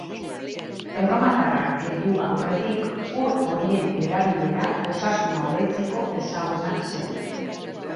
Erromatarrak heldu aurretik ur horien erabilera osasuna hobetzeko ezaguna zen.